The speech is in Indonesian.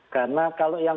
karena kalau yang